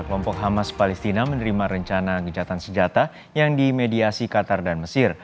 kelompok hamas palestina menerima rencana gejatan senjata yang dimediasi qatar dan mesir